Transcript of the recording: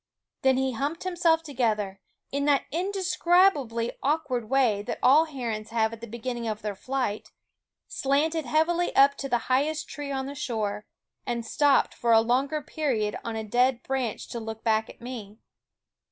Then he humped himself together, in that indescribably awkward way that all herons have at the beginning of their flight, slanted heavily up to the highest tree on the shore, and stopped for a longer period on a dead branch to look back at me.